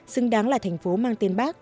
xứng đáng là thành phố mang tên bắc